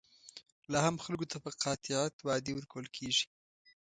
لا هم خلکو ته په قاطعیت وعدې ورکول کېږي.